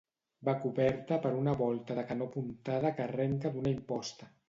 Va coberta per una volta de canó apuntada que arrenca d'una imposta.